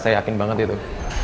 saya yakin banget itu